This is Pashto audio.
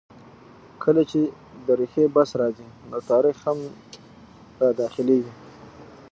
کله چې د ریښې بحث راځي؛ نو تاریخ هم را دا خلېږي.